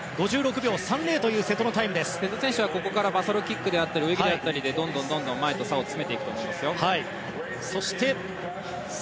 ５６秒３０というここからバサロキックであったり泳ぎであったりでどんどん前との差を詰めていくと思います。